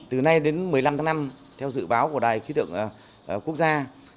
từ nay đến một mươi năm tháng năm theo dự báo của đài khí tượng quốc gia